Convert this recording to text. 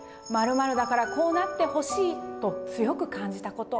「〇〇だからこうなってほしい！」と強く感じたこと。